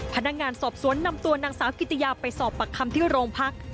พนักงานสอบสวนนำตัวนางสาวกิติยาไปสอบปากคำที่โรงพัก